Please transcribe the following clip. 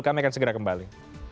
kami akan segera kembali